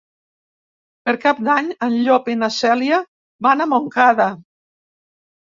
Per Cap d'Any en Llop i na Cèlia van a Montcada.